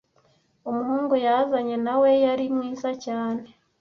Umuhungu yazanye na we yari mwiza cyane.